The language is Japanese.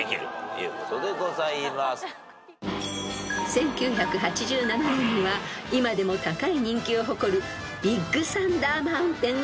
［１９８７年には今でも高い人気を誇るビッグサンダー・マウンテンがオープン。